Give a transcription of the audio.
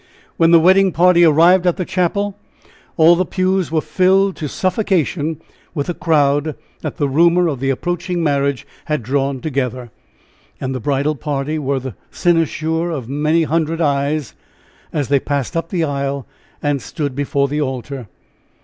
When the wedding party arrived at the chapel, all the pews were filled to suffocation with the crowd that the rumor of the approaching marriage had drawn together. And the bridal party were the cynosure of many hundred eyes as they passed up the aisle and stood before the altar.